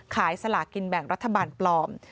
สลากินแบ่งรัฐบาลปลอม